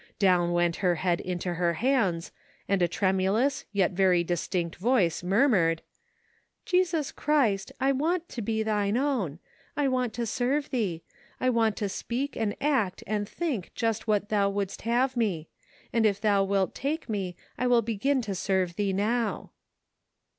Down went her head into her hands, and a tremulous, yet very distinct voice murmured: "Jesus Christ, I want to be thine own ; I want to serve thee ; I want to speak and act and think just what thou wouldst have me ; and if thou wilt take me, I will begin to serve thee now."